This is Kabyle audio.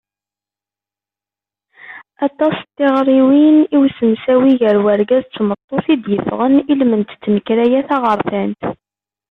Aṭas n tiɣriwin i usemsawi gar urgaz d tmeṭṭut i d-yeffɣen i lmend n tnekkra-a taɣerfant.